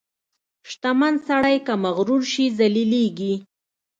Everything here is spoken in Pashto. • شتمن سړی که مغرور شي، ذلیلېږي.